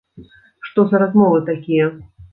Што за размовы такія?!